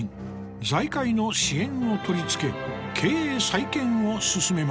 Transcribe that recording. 財界の支援を取り付け経営再建を進めました。